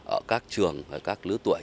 ở các trường các lứa tuổi